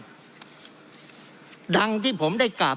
เพราะเรามี๕ชั่วโมงครับท่านนึง